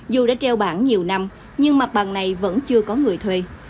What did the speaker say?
dù đã treo bản nhiều năm nhưng mặt bằng này vẫn chưa có người thuê